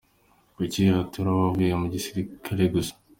Kuki hatura abavuye mu gisirikare gusa?.